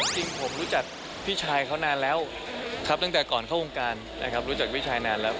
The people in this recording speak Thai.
จริงผมรู้จักพี่ชายเขานานแล้วครับตั้งแต่ก่อนเข้าวงการนะครับรู้จักพี่ชายนานแล้ว